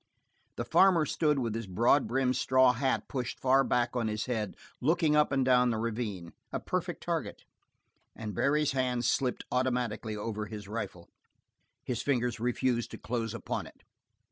The farmer stood with his broad brimmed straw hat pushed far back on his head looking up and down the ravine, a perfect target, and Barry's hand slipped automatically over his rifle. His fingers refused to close upon it.